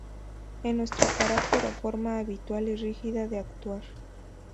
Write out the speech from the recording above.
Es nuestro carácter o forma habitual y rígida de actuar.